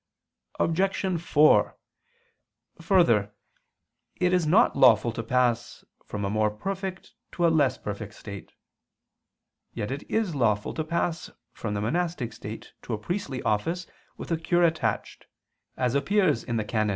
Obj. 4: Further, it is not lawful to pass from a more perfect to a less perfect state. Yet it is lawful to pass from the monastic state to a priestly office with a cure attached, as appears (XVI, qu. i, can.